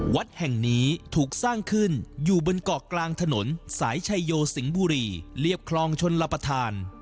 วัดแห่งนี้ถูกสร้างขึ้นอยู่บนเกาะกลางถนนสายชัยโยสิงห์บุรีเรียบคลองชนรับประทาน